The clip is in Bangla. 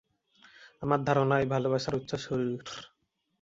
আমার ধারণা, এই ভালবাসার উৎস শরীর।